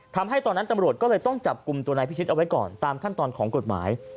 ทำให้ตอนนั้นตำรวจก็เลยต้องจับกลุ่มตัวนายพิชิตเอาไว้ก่อนตามขั้นตอนของกฎหมาย